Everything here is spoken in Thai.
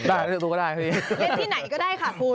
เล่นที่ไหนก็ได้ค่ะคุณ